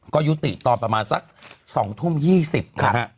ก็ยุติตอนประมาณสัก๒ทุ่ม๒๐นะฮะ